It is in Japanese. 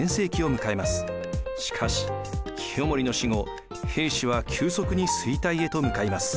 しかし清盛の死後平氏は急速に衰退へと向かいます。